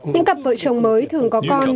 những cặp vợ chồng mới thường có con